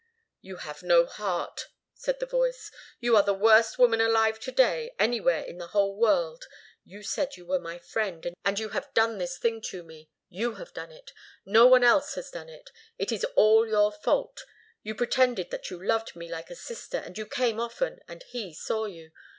"You have no heart," said the voice. "You are the worst woman alive to day, anywhere in the whole world. You said you were my friend, and you have done this thing to me. You have done it. No one else has done it. It is all your fault. You pretended that you loved me like a sister, and you came often, and he saw you.